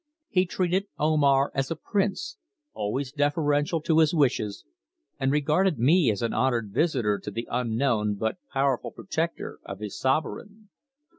He treated Omar as a prince, always deferential to his wishes, and regarded me as an honoured visitor to the unknown but powerful protector of his sovereign.